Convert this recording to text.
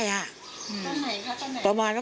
ตั้งไหนคะตั้งไหน